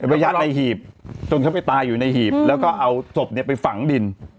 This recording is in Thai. ไปยัดในหีบจนเขาไปตายอยู่ในหีบแล้วก็เอาศพไปฝังดิน